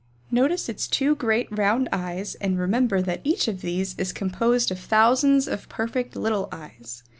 Notice its two great round eyes and remember that each of these is composed of thousands of perfect little eyes.